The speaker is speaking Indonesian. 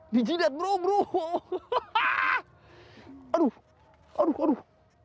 di didat bro hehe aduh aduh aduh